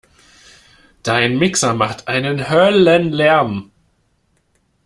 Dein Mixer macht einen Höllenlärm!